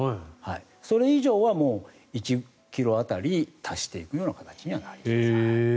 それ以上は１ｋｇ当たり足していくような形になります。